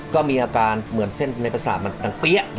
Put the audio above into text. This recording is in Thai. ก็มีอาการเหมือนเส้นในประสาทมันดังเปี้ย